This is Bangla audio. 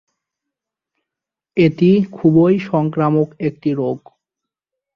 এটি খুবই সংক্রামক একটি রোগ।